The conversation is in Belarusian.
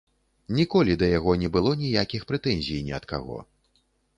Ніколі да яго не было ніякіх прэтэнзій ні ад каго.